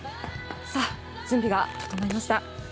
さあ、準備が整いました。